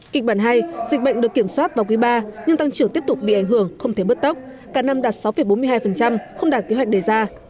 kịch bản hai dịch bệnh được kiểm soát vào quý iii nhưng tăng trưởng tiếp tục bị ảnh hưởng không thể bứt tốc cả năm đạt sáu bốn mươi hai không đạt kế hoạch đề ra